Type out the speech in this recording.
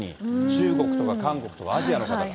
中国とか韓国とか、アジアの方。